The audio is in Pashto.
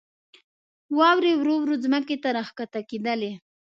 واورې ورو ورو ځمکې ته راکښته کېدلې.